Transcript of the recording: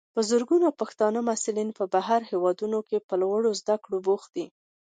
په زرګونو پښتانه محصلین په بهرنیو هیوادونو کې په لوړو زده کړو بوخت دي.